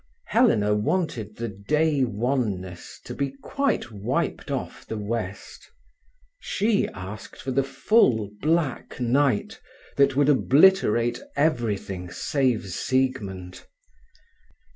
Helena wanted the day wanness to be quite wiped off the west. She asked for the full black night, that would obliterate everything save Siegmund.